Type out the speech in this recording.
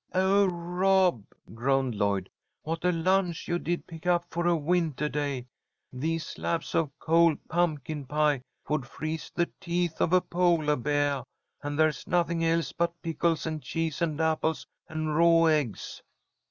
"Oh, Rob!" groaned Lloyd. "What a lunch you did pick up for a wintah day! These slabs of cold pumpkin pie would freeze the teeth of a polah beah, and there's nothing else but pickles and cheese and apples and raw eggs."